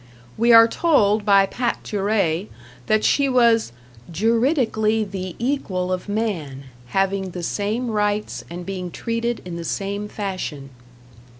We are told by Paturet that she was "juridically the equal of man, having the same rights and being treated in the same fashion."